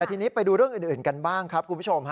แต่ทีนี้ไปดูเรื่องอื่นกันบ้างครับคุณผู้ชม